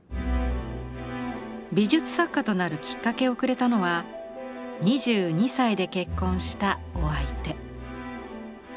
美術作家となるきっかけをくれたのは２２歳で結婚したお相手。